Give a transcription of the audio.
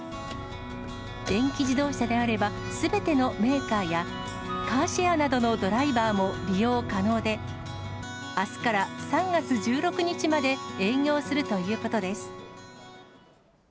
電気自動車であれば、すべてのメーカーや、カーシェアなどのドライバーも利用可能で、あすから３月１６日まで営業するということです。